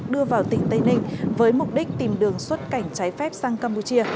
đưa vào tỉnh tây ninh với mục đích tìm đường xuất cảnh trái phép sang campuchia